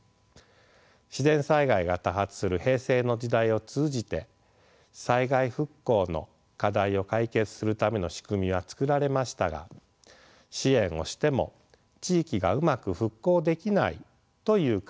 自然災害が多発する平成の時代を通じて災害復興の課題を解決するための仕組みはつくられましたが支援をしても地域がうまく復興できないという課題が残されました。